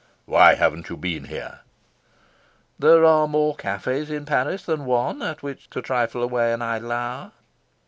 "Why haven't you been here?" "There are more cafes in Paris than one, at which to trifle away an idle hour."